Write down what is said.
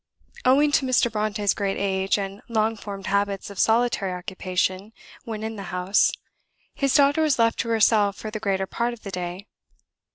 Owing to Mr. Brontë's great age, and long formed habits of solitary occupation when in the house, his daughter was left to herself for the greater part of the day.